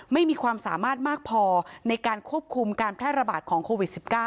ไม่มีความสามารถมากพอในการควบคุมการแพร่ระบาดของโควิด๑๙